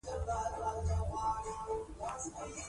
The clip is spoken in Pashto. استاد د باورونو تقویه کوي.